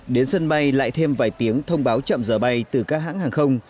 đến sân bay lại thêm vài tiếng thông báo chậm giờ bay từ các hãng hàng không